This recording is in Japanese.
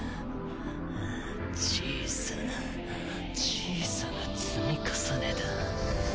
小さな小さな積み重ねだ。